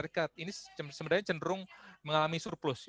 ini sebenarnya cenderung mengalami surplus